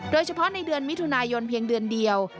โดยเฉพาะในเดือนมิถุนายนเพียงเดือนเดียว